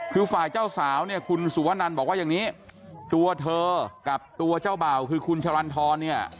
คือฝ่ายเจ้าสาวเนี่ยคุณสุวนันบอกว่าอย่างนี้ตัวเธอกับตัวเจ้าบ่าวคือคุณชะลันทรเนี่ย